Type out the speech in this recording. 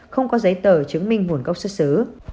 không có giấy tờ chứng minh nguồn gốc xuất xứ